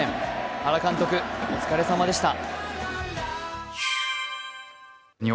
原監督、お疲れ様でした。